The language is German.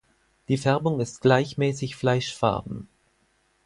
Die Färbung ist gleichmäßig fleischfarben.